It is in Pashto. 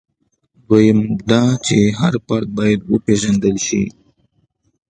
دویم دا چې هر فرد باید وپېژندل شي.